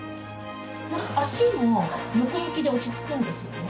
足も横向きで落ち着くんですよね